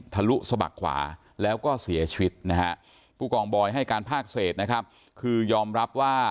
ทะลุสะบักขวาแล้วก็เสียชีวิตนะฮะผู้กองบอยให้การภาคเศษนะครับคือยอมรับว่า